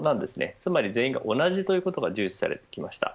つまり全員が同じ、ということが重視されてきました。